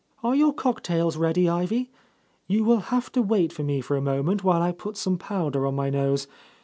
"Are your cocktails ready. Ivy? You will have to wait for me a moment, while I put some powder on my nose.